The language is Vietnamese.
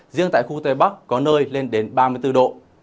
riêng tại khu tây bắc có nơi lên đến ba mươi bốn độ